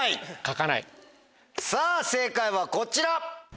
さぁ正解はこちら！